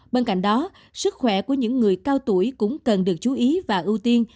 bên cạnh đó sức khỏe của những người cao tuổi cũng cần được chú ý và ưu tiên